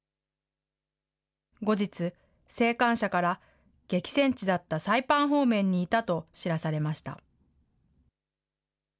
後日、生還者から、激戦地だったサイパン方面にいたと知らされました。